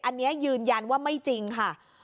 อันนี้ยืนยันว่าไม่จริงค่ะ